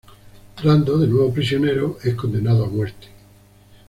Rando, de nuevo prisionero, es condenado a muerte.